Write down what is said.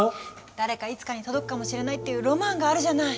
誰かいつかに届くかもしれないっていうロマンがあるじゃない？